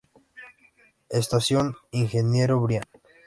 Estación Ingeniero Brian